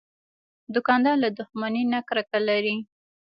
دوکاندار له دښمنۍ نه کرکه لري.